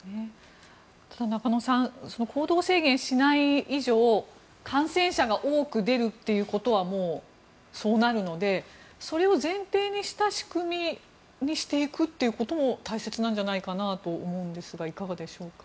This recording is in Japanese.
ただ中野さん行動制限しない以上感染者が多く出るということはもうそうなるのでそれを前提にした仕組みにしていくということも大切なんじゃないかなと思うんですがいかがでしょうか。